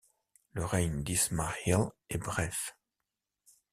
Le règne d'Ismâ`îl est bref.